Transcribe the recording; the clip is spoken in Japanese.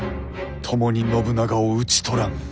共に信長を討ち取らん。